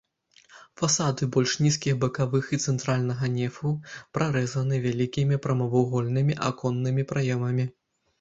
Фасады больш нізкіх бакавых і цэнтральнага нефаў прарэзаны вялікімі прамавугольнымі аконнымі праёмамі.